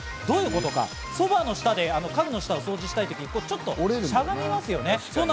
どういうことか、ソファの下など、家具の下を掃除したい時、しゃがみますよね。